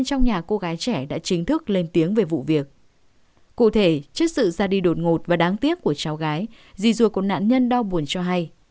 cụ thể trước sự ra đi đột ngột và đáng tiếc của cháu gái dì rùa của nạn nhân đau buồn cho hay